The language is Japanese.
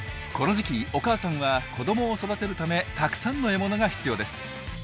この時期お母さんは子どもを育てるためたくさんの獲物が必要です。